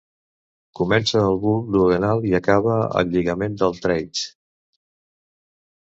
Comença al bulb duodenal i acaba al lligament de Treitz.